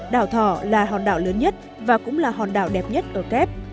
đảo thỏ là hòn đảo lớn nhất và cũng là hòn đảo đẹp nhất ở kép